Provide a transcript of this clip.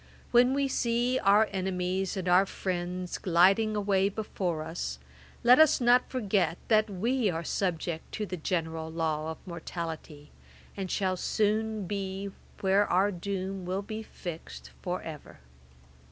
When we see our enemies and friends gliding away before us, let us not forget that we are subject to the general law of mortality, and shall soon be where our doom will be fixed for ever.